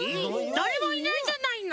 だれもいないじゃないの。